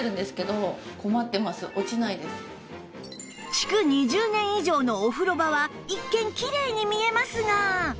築２０年以上のお風呂場は一見きれいに見えますが